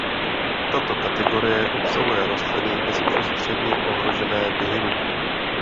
Tato kategorie obsahuje rostliny bezprostředně ohrožené vyhynutím.